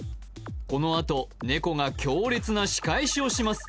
このあと猫が強烈な仕返しをします